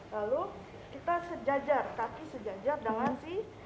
lalu kita sejajar kaki sejajar dengan si